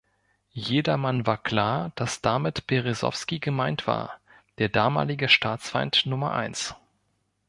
Jedermann war klar, dass damit Beresowski gemeint war, der damalige Staatsfeind Nummer eins.